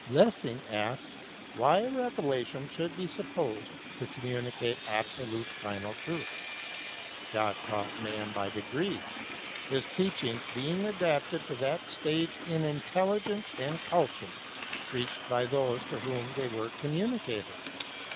Lessing asks why a revelation should be supposed to communicate absolute final truth. ' God taught man by degrees, His teachings being adapted to that stage in intelligence and culture reached by those to whom they were communicated.